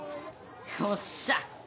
おっしゃ！